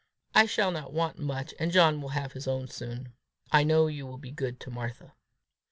I shall not want much, and John will have his own soon. I know you will be good to Martha!"